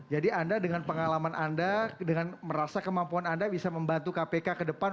jadi anda dengan pengalaman anda dengan merasa kemampuan anda bisa membantu kpk ke depan untuk bisa memberanakan